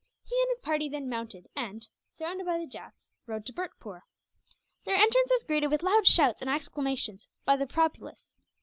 He and his party then mounted and, surrounded by the Jats, rode to Bhurtpoor. Their entrance was greeted with loud shouts and acclamations by the populace.